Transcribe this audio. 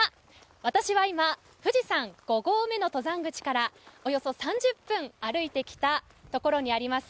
私は今富士山５合目の登山口からおよそ３０分歩いてきたところにあります